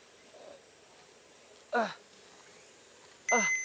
あっあっ。